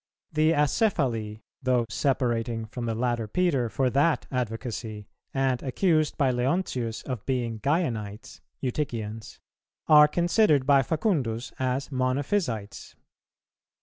The Acephali, though separating from the latter Peter for that advocacy, and accused by Leontius of being Gaianites[315:1] (Eutychians), are considered by Facundus as Monophysites.